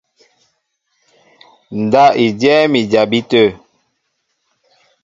Ndáp i dyɛ́ɛ́m i jabí tə̂.